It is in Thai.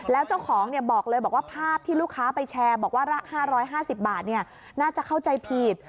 แล้วเจ้าของบอกเลยบอกว่าภาพที่ลูกค้าไปแชร์บอกว่าละ๕๕๐บาทน่าจะเข้าใจผิด